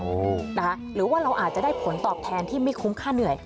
นะคะหรือว่าเราอาจจะได้ผลตอบแทนที่ไม่คุ้มค่าเหนื่อย